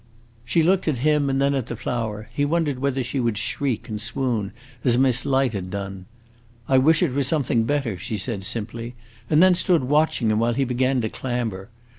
She looked at him and then at the flower; he wondered whether she would shriek and swoon, as Miss Light had done. "I wish it were something better!" she said simply; and then stood watching him, while he began to clamber.